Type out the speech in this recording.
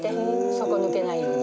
底抜けないように。